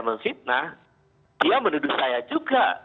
menfitnah dia menuduh saya juga